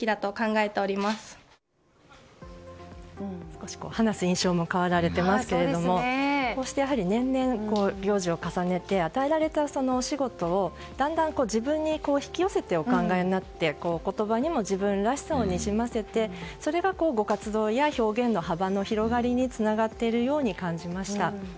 少し話す印象も変わられていますけれどもこうして年々、行事を重ねて与えられたお仕事をだんだん時分に引き寄せてお考えになってお言葉にも自分らしさをにじませてそれがご活動や表現の幅の広がりにつながっているように感じました。